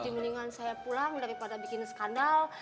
mendingan saya pulang daripada bikin skandal